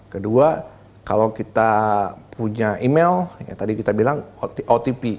kedua kalau kita punya email tadi kita bilang otp